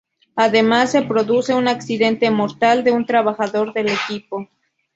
Además se produce un accidente mortal de un trabajador del equipo.